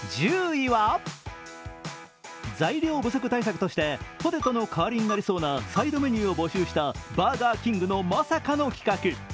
材料不足対策としてポテトの代わりになりそうなサイドメニューを募集したバーガーキングのまさかの企画。